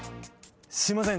すいません。